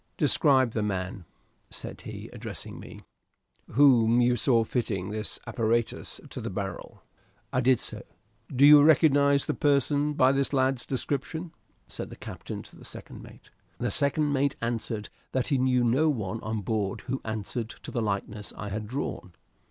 Describe the man," said he, addressing me, "whom you saw fitting this apparatus to the barrel." I did so. "Do you recognize the person by this lad's description?" said the captain to the second mate. The second mate answered that he knew no one on board who answered to the likeness I had drawn.